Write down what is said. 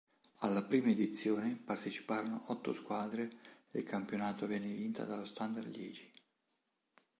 Alla prima edizione parteciparono otto squadre e il campionato venne vinta dallo Standard Liegi.